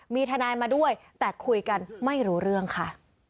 มีทนายมาด้วยแต่คุยกันไม่รู้เรื่องค่ะ